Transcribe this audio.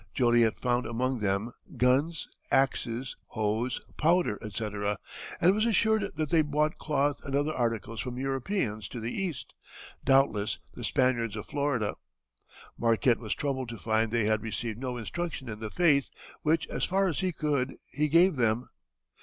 Joliet found among them guns, axes, hoes, powder, etc., and was assured that they bought cloth and other articles from Europeans to the east, doubtless the Spaniards of Florida. Marquette was troubled to find they had received no instruction in the faith, which, as far as he could, he gave them.